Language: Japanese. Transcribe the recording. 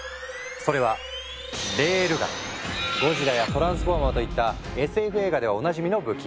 それは「ゴジラ」や「トランスフォーマー」といったＳＦ映画ではおなじみの武器。